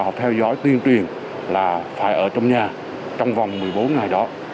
họ theo dõi tuyên truyền là phải ở trong nhà trong vòng một mươi bốn ngày đó